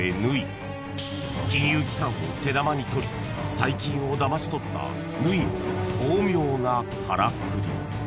［金融機関を手玉に取り大金をだまし取った縫の巧妙なからくり］